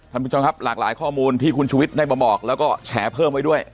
ท่านผู้ชมครับหลากหลายข้อมูลที่คุณชุวิตได้มาบอกแล้วก็แฉเพิ่มไว้ด้วย